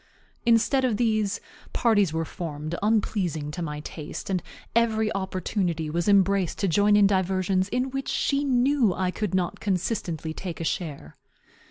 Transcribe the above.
Instead of these, parties were formed unpleasing to my taste, and every opportunity was embraced to join in diversions in which she knew I could not consistently take a share.